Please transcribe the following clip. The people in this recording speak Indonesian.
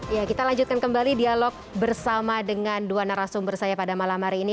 ya kita lanjutkan kembali dialog bersama dengan dua narasumber saya pada malam hari ini